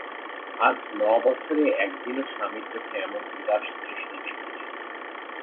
আজ ন বছরে একদিনও স্বামীর চোখে এমন উদাস দৃষ্টি দেখি নি।